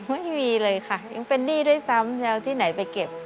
ไม่มีเลยค่ะยังเป็นหนี้ด้วยซ้ำจะเอาที่ไหนไปเก็บ